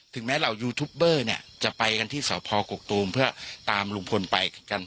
แม้เหล่ายูทูปเบอร์เนี่ยจะไปกันที่สพกกตูมเพื่อตามลุงพลไปกัน